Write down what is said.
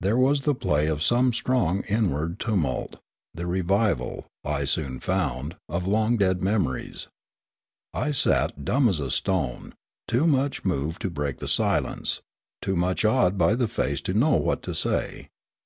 There was the play of some strong inward tumult, the revival, I soon found, of long dead memories. I sat dumb as a stone, too much moved to break the silence, too much awed by the face to know what to say.